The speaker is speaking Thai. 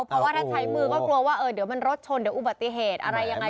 เพราะว่าถ้าใช้มือก็กลัวว่าเดี๋ยวมันรถชนเดี๋ยวอุบัติเหตุอะไรยังไง